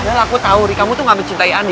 padahal aku tahu ri kamu tuh gak mencintai andi